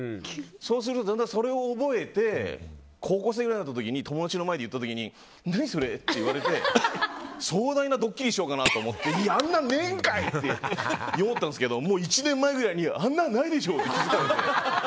そうすると、だんだんそれを覚えて高校生ぐらいの時友達に言ったら何それ？って言われて壮大なドッキリしようかと思ってあんなんないんかい！ってやろうと思ったんですけどもう１年前くらいにあんなんないでしょ！って気づいたので。